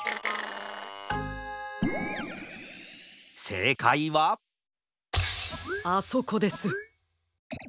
せいかいはあそこです。